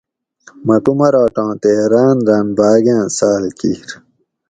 مۤہ کُمراٹاں تے راۤن راۤن بھاۤگاۤں ساۤل کِیر